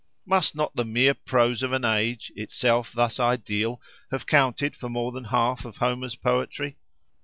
Must not the mere prose of an age, itself thus ideal, have counted for more than half of Homer's poetry?